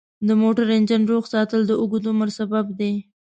د موټر انجن روغ ساتل د اوږد عمر سبب دی.